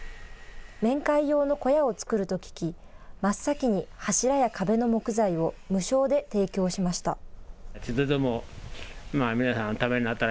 面会用の小屋を作ると聞き、真っ先に柱や壁の木材を無償で提供しました。